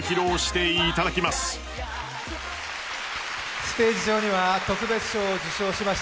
ステージ上には特別賞を受賞しました